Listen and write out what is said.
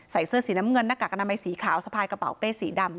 ใส่เสื้อสีน้ำเงินหน้ากากอนามัยสีขาวสะพายกระเป๋าเป้สีดำ